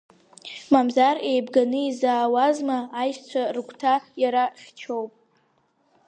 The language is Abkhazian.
Мамзар еибганы изаауазма, аишьцәа рыгәҭа иара хьчоуп!